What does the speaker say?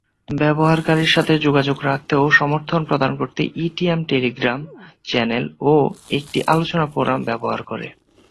ব্যবহারকারীর সাথে যোগাযোগ রাখতে ও সমর্থন প্রদান করতে, /ই/ টিম টেলিগ্রাম চ্যানেল ও একটি আলোচনা ফোরাম ব্যবহার করে।